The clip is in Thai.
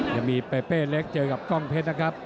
ยังมีเปเป้เล็กเจอกับกล้องเพชรนะครับ